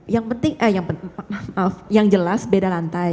yang penting eh yang maaf yang jelas beda lantai